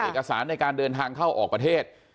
เอกสารในการเดินทางเข้าออกประเทศ